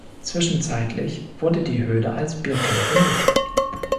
Zwischenzeitlich wurde die Höhle als Bierkeller genutzt.